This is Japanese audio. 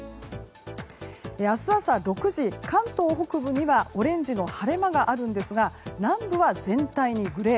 明日朝６時、関東北部にはオレンジの晴れ間があるんですが南部は全体にグレー。